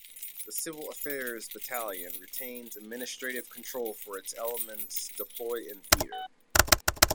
The civil affairs battalion retains administrative control for its elements deployed in theater.